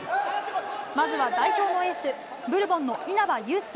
まずは代表のエース、ブルボンの稲場悠介。